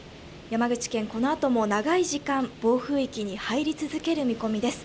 山口県、このあとも長い時間、暴風域に入り続ける見込みです。